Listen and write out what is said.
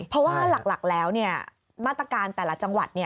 เพราะว่าหลักแล้วมาตรการแต่ละจังหวัด